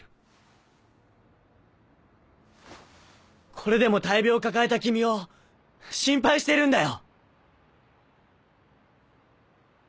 これでも大病を抱えた君を心配してるんだよ！